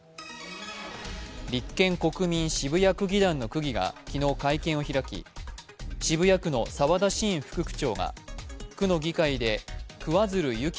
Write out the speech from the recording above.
立憲・国民渋谷区議団の区議が昨日、会見を開き、渋谷区の沢田伸副区長が区の議会で桑水流弓紀